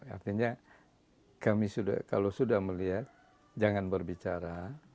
artinya kami kalau sudah melihat jangan berbicara